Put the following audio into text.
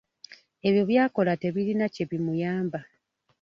Ebyo byakola tebirina kye bimuyamba.